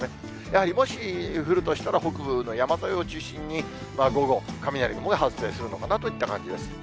やはりもし降るとしたら、北部の山沿いを中心に、午後、雷雲が発生するのかなといった感じです。